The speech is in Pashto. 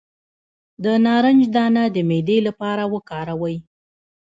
د نارنج دانه د معدې لپاره وکاروئ